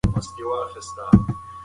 د ښوونکي مهارت خفګان له منځه وړي.